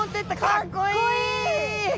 かっこいい！